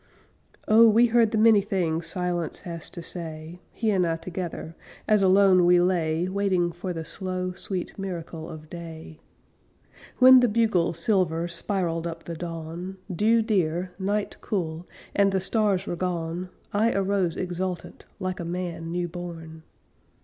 Oh, we heard the many things Silence has to say; He and I together As alone we lay Waiting for the slow, sweet Miracle of day. When the bugle's silver Spiralled up the dawn, Dew dear, night cool, And the stars were gone, I arose exultant, Like a man new born.